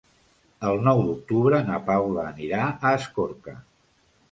El nou d'octubre na Paula anirà a Escorca.